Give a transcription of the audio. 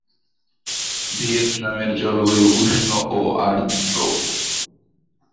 ভিয়েতনামের জলবায়ু উষ্ণ ও আর্দ্র।